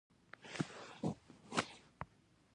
دوی د ټیکنالوژۍ پارکونه جوړ کړي دي.